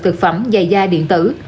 thực phẩm dày da điện tử